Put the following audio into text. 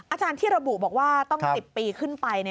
อาจารย์ที่ระบุบอกว่าต้อง๑๐ปีขึ้นไป